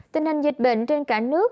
tình hình dịch bệnh trên cả nước